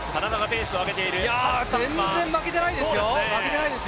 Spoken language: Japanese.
全然負けてないですよ。